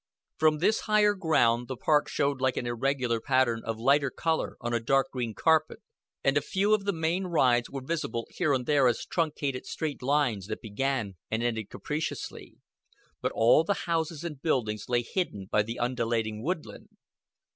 From this higher ground, the park showed like an irregular pattern of lighter color on a dark green carpet, and a few of the main rides were visible here and there as truncated straight lines that began and ended capriciously; but all the houses and buildings lay hidden by the undulating woodland.